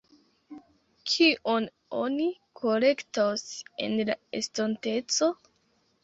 Kion oni kolektos en la estonteco?